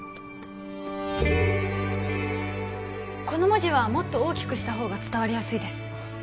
この文字はもっと大きくした方が伝わりやすいです